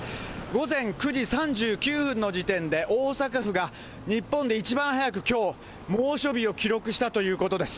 午前９時３９分の時点で、大阪府が日本で一番早くきょう、猛暑日を記録したということです。